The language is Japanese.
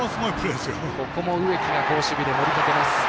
ここも植木が好守備で盛り立てます。